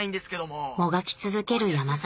もがき続ける山里